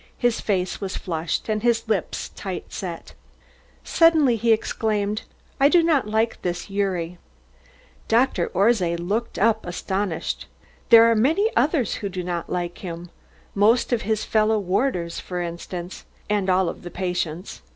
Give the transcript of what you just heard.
His face was flushed and his lips tight set. Suddenly he exclaimed: "I do not like this Gyuri." Dr. Orszay looked up astonished. "There are many others who do not like him most of his fellow warders for instance, and all of the patients.